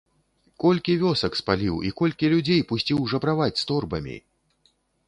Колькі вёсак спаліў і колькі людзей пусціў жабраваць з торбамі?